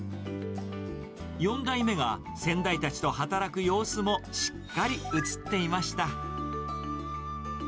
４代目が先代たちと働く様子もしっかり映っていました。